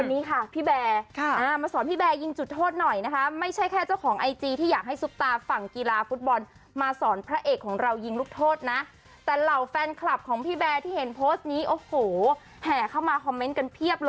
อืมคนนี้ค่ะพี่แบร์ค่ะอ่ามาสอนพี่แบร์ยิงจุดโทษหน่อยนะฮะ